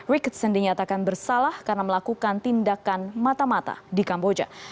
ricketson dinyatakan bersalah karena melakukan tindakan mata mata di kamboja